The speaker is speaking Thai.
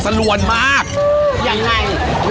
สุดลิสต์ทุดเดทเป็นยังไงบ้างคะ